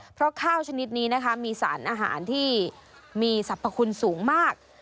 เพราะข้าวชนิดนี้นะคะมีสารอาหารที่มีสรรพคุณสูงมาก